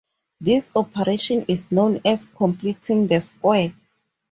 This operation is known as completing the square.